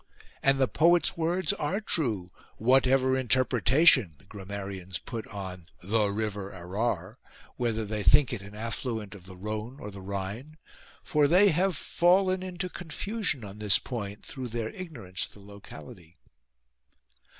(And the poet's words are true, what ever interpretation the grammarians put on " the river Arar," whether they think it an affluent of the Rhone or the Rhine ; for they have fallen into confusion on this point through their ignorance of the locality).